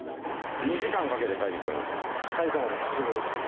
２時間かけて買いに来ます。